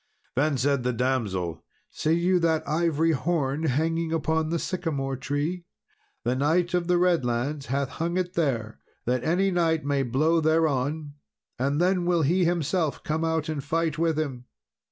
Then said the damsel, "See you that ivory horn hanging upon the sycamore tree? The Knight of the Redlands hath hung it there, that any knight may blow thereon, and then will he himself come out and fight with him.